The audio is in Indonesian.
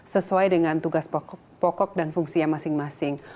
sesuai dengan tugas pokok dan fungsi yang masing masing